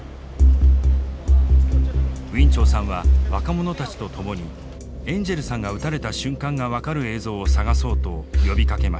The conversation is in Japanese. ウィン・チョウさんは若者たちと共にエンジェルさんが撃たれた瞬間が分かる映像を探そうと呼びかけました。